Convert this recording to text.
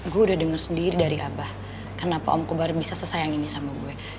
gue udah denger sendiri dari abah kenapa om kobar bisa sesayangin dia sama gue